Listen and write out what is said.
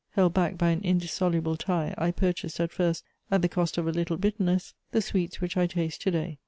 Held back by an indissoluble tie, I purchased at first, at the cost of a little bitterness, the sweets which I taste to day.